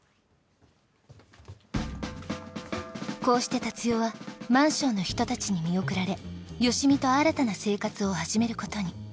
こうして達代はマンションの人たちに見送られ好美と新たな生活を始める事に。